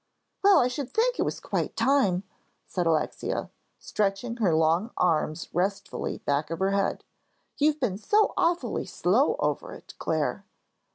"Well, I should think it was quite time," said Alexia, stretching her long arms restfully back of her head. "You've been so awfully slow over it, Clare."